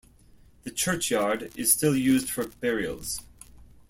The churchyard is still used for burials.